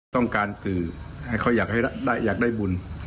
ต้องการสื่อให้เขาอยากได้บุญ